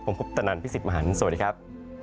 ผมคุณพุทธนันทร์พิสิทธิ์มหาลนั้นสวัสดีครับ